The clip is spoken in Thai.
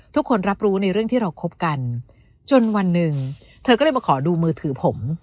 ทุกคนรับรู้ในเรื่องที่เราคบกันจนวันหนึ่งเธอก็เลยมาขอดูมือถือผม